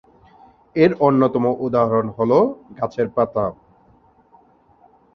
এর অন্যতম উদাহরণ হল গাছের পাতা।